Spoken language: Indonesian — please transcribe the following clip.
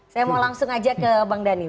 saya mau langsung aja ke bang dhani